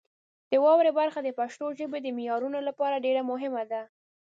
د واورئ برخه د پښتو ژبې د معیارونو لپاره ډېره مهمه ده.